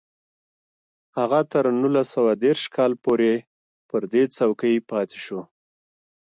هغه تر نولس سوه دېرش کال پورې پر دې څوکۍ پاتې شو